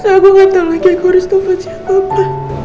aku gak tau lagi aku harus telfon siapa pak